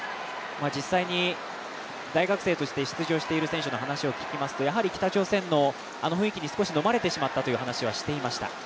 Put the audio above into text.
実際に大学生として出場している選手の話を聞きますと、北朝鮮のあの雰囲気に少しのまれてしまったという話はしていました。